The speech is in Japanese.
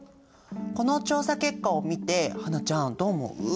この調査結果を見て英ちゃんどう思う？